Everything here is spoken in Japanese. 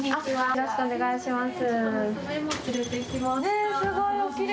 よろしくお願いします。